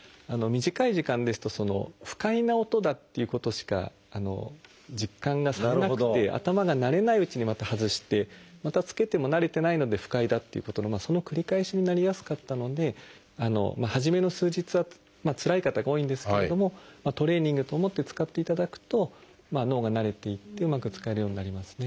短い時間ですと不快な音だっていうことしか実感がされなくて頭が慣れないうちにまた外してまた着けても慣れてないので不快だっていうことのその繰り返しになりやすかったので初めの数日はつらい方が多いんですけれどもトレーニングと思って使っていただくと脳が慣れていってうまく使えるようになりますね。